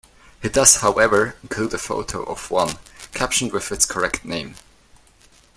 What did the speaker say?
He does, however, include a photo of one, captioned with its correct name.